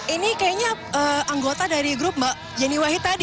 ini kayaknya anggota dari grup mbak yeni wahid tadi